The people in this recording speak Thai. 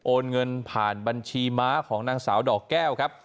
เงินผ่านบัญชีม้าของนางสาวดอกแก้วครับ